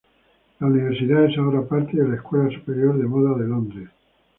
La universidad es ahora parte de la Escuela Superior de Moda de Londres.